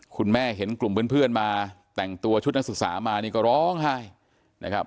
คุณแม่เห็นกลุ่มเพื่อนมาแต่งตัวชุดนักศึกษามานี่ก็ร้องไห้นะครับ